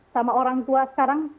sama orang tua sekarang